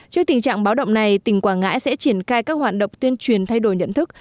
trước tình trạng báo động này tỉnh quảng ngãi sẽ triển khai các hoạt động tuyên truyền thay đổi nhận thức